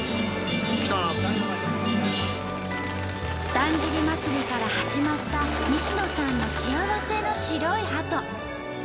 だんじり祭から始まった西野さんの幸せの白いハト。